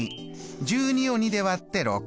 １２を２で割って６。